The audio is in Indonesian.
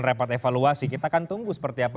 rapat evaluasi kita akan tunggu seperti apa